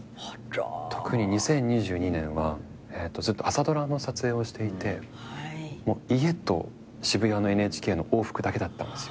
特に２０２２年はずっと朝ドラの撮影をしていて家と渋谷のＮＨＫの往復だけだったんですよ。